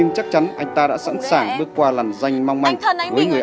anh em bắt anh bị làm sao thế này anh ơi